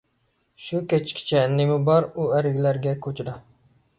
شۇ كەچكىچە نېمە بار ئۇ ئەرلەرگە كوچىدا؟